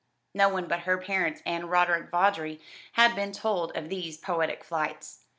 No one but her parents and Roderick Vawdrey had been told of these poetic flights.